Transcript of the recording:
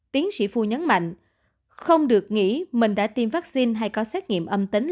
tiến sĩ phu nhấn mạnh không được nghĩ mình đã tiêm vaccine hay có xét nghiệm âm tính